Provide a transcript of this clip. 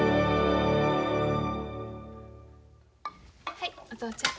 はいお父ちゃん。